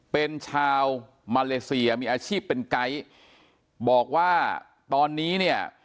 เป็นชาวมาเลเซียมีอาชีพเป็นไก๊บอกว่าตอนนี้เนี่ย